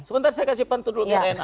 sebentar saya kasih pantu dulu biar enak